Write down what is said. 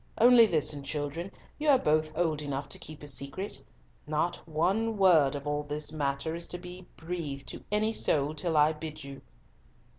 Only listen, children, you are both old enough to keep a secret. Not one word of all this matter is to be breathed to any soul till I bid you."